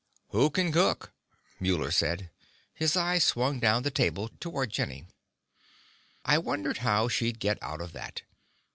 "Who can cook?" Muller asked. His eyes swung down the table toward Jenny. I wondered how she'd get out of that.